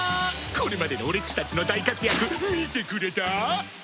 これまでの俺っちたちの大活躍見てくれた？